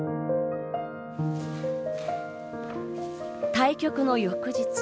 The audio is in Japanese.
対局の翌日。